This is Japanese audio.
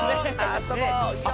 あそぼうよ！